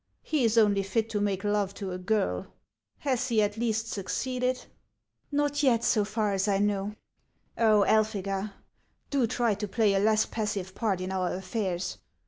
He is only fit to make love to a girl. Has he at least succeeded ?" 86 HANS OF ICELAND. " Xot yet, so far as I know." " Oil, Elphega, do try to play a less passive part in our affairs.